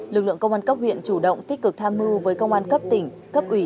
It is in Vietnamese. lực lượng công an cấp huyện chủ động tích cực tham mưu với công an cấp tỉnh cấp ủy